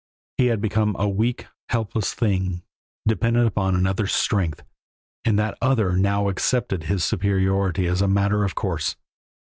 He had become a weak, helpless thing, dependent upon another's strength, and that other now accepted his superiority as a matter of course.